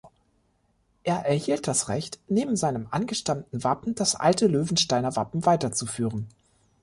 Er erhielt das Recht, neben seinem angestammten Wappen das alte Löwensteiner Wappen weiterzuführen.